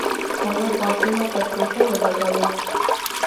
تواب غاښونه پر ټوټه ولگول.